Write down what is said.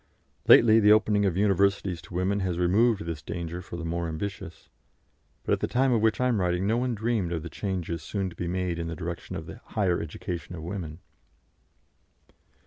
Lately, the opening of universities to women has removed this danger for the more ambitious; but at the time of which I am writing no one dreamed of the changes soon to be made in the direction of the "higher education of women."